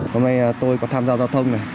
hôm nay tôi có tham gia giao thông